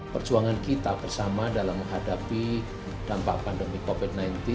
perjuangan kita bersama dalam menghadapi dampak pandemi covid sembilan belas